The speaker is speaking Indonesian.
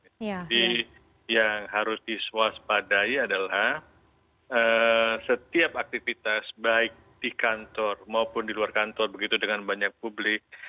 jadi yang harus diswaspadai adalah setiap aktivitas baik di kantor maupun di luar kantor begitu dengan banyak publik